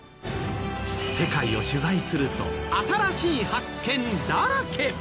世界を取材すると新しい発見だらけ！